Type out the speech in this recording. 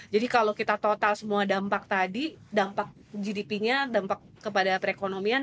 jadi kalau kita total semua dampak tadi dampak gdp nya dampak kepada perekonomian